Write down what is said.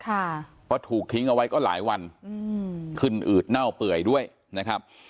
ค่ะเพราะถูกทิ้งเอาไว้ก็หลายวันอืมขึ้นอืดเน่าเปื่อยด้วยนะครับ